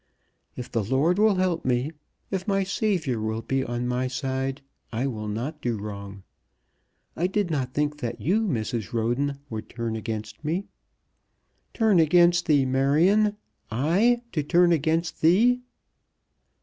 If the Lord will help me, if my Saviour will be on my side, I will not do wrong. I did not think that you, Mrs. Roden, would turn against me." "Turn against thee, Marion? I to turn against thee!"